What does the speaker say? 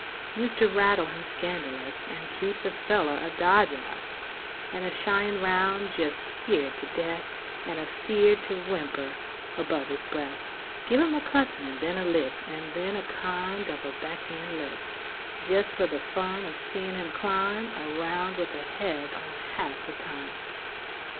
Used to rattle him scandalous, And keep the feller a dodgin' us, And a shyin' round jes' skeered to death, And a feered to whimper above his breath; Give him a cussin', and then a kick, And then a kind of a back hand lick Jes' for the fun of seein' him climb Around with a head on half the time.